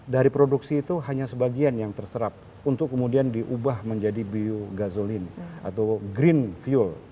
dari produksi itu hanya sebagian yang terserap untuk kemudian diubah menjadi biogazolin atau green fuel